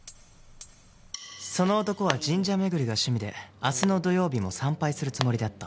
その男は神社巡りが趣味で明日の土曜日も参拝するつもりだった。